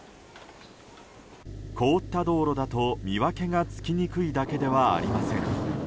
凍った道路だと見分けがつきにくいだけではありません。